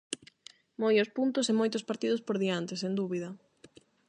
Moios puntos e moitos partidos por diante, sen dúbida.